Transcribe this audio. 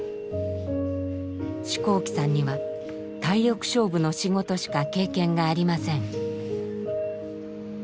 四光記さんには体力勝負の仕事しか経験がありません。